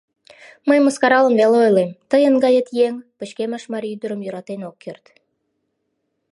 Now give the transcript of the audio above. Мый мыскаралан веле ойлем: тыйын гает еҥ пычкемыш марий ӱдырым йӧратен ок керт.